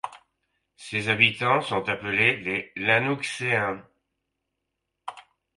Ses habitants sont appelés les Lanouxéens.